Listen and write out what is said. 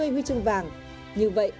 huy chương vàng như vậy